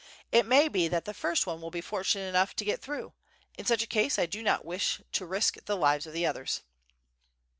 It may be that the first one will be fortunate enough to get through, in such a case I do not wish to risk the lives of the others."